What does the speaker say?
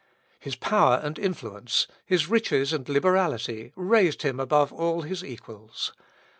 His power and influence, his riches and liberality, raised him above all his equals.